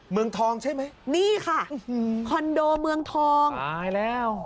เมืองทองใช่ไหมนี่ค่ะคอนโดเมืองทองตายแล้ว